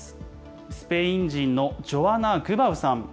スペイン人のジョアナ・グバウさん。